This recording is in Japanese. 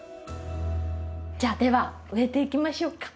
じゃあでは植えていきましょうか。